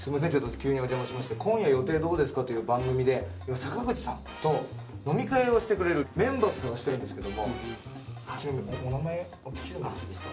急にお邪魔しまして「今夜予定どうですか？」という番組で今坂口さんと飲み会をしてくれるメンバー探してるんですけどもお名前お聞きしてもよろしいですか？